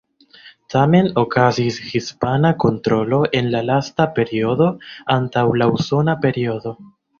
Tamen okazis hispana kontrolo en la lasta periodo antaŭ la usona periodo.